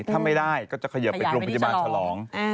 ถ้าไม่ได้ก็จะเขยิบไปโรงพยาบาลฉลอง